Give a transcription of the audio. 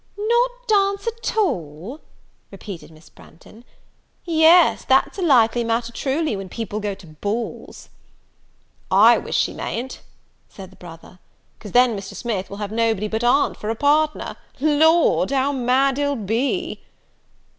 "Not dance at all!" repeated Miss Branghton; "yes, that's a likely matter truly, when people go to balls." "I wish she mayn't," said the brother; "'cause then Mr. Smith will have nobody but aunt for a partner. Lord, how mad he'll be!"